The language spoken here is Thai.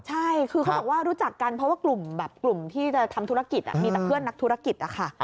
ใช่คือเขาบอกว่ารู้จักกันเพราะว่ากลุ่มแบบกลุ่มที่จะทำธุรกิจมีแต่เพื่อนนักธุรกิจนะคะ